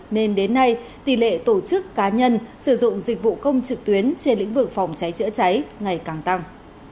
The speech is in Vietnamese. nên đến nay tỷ lệ tổ chức cá nhân sử dụng dịch vụ công trực tuyến trên lĩnh vực phòng cháy chữa cháy ngày càng tăng